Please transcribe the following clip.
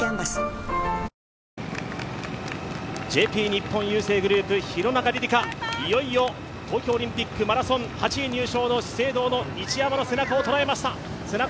日本郵政グループ、廣中璃梨佳、いよいよ東京オリンピックマラソン入賞の資生堂の一山の背中を捉えました。